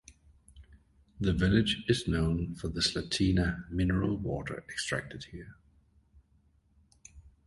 The village is known for the Slatina, mineral water extracted here.